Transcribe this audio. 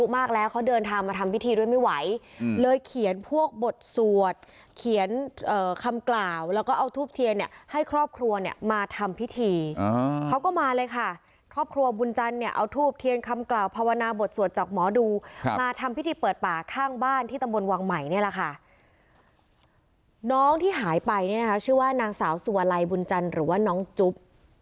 มากแล้วเขาเดินทางมาทำพิธีด้วยไม่ไหวเลยเขียนพวกบทสวดเขียนคำกล่าวแล้วก็เอาทูบเทียนเนี่ยให้ครอบครัวเนี่ยมาทำพิธีเขาก็มาเลยค่ะครอบครัวบุญจันทร์เนี่ยเอาทูบเทียนคำกล่าวภาวนาบทสวดจากหมอดูมาทำพิธีเปิดป่าข้างบ้านที่ตำบลวังใหม่เนี่ยแหละค่ะน้องที่หายไปเนี่ยนะคะชื่อว่านางสาวสุวลัยบุญจันทร์หรือว่าน้องจุ๊บ